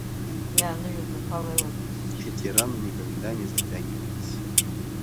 Эти раны никогда не затягивались.